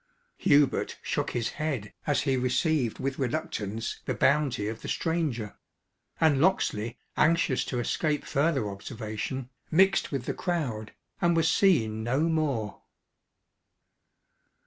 Hubert shook his head as he received with reluctance the bounty of the stranger; and Locksley, anxious to escape further observation, mixed with the crowd, and was seen no more.